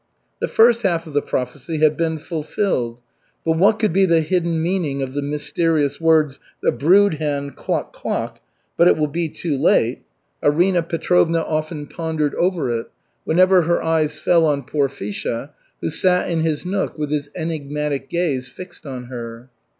The first half of the prophecy had been fulfilled; but what could be the hidden meaning of the mysterious words, "the brood hen cluck! cluck! but it will be too late?" Arina Petrovna often pondered over it, whenever her eyes fell on Porfisha, who sat in his nook with his enigmatic gaze fixed on her.